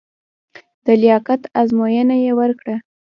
د لیاقت ازموینه یې ورکړه.